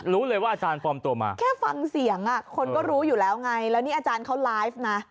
รู้เลยว่าอาจารย์ปลอมตัวมาแค่ฟังเสียงคนก็รู้อยู่แล้วไงแล้วนี่อาจารย์เขาไลฟ์นะ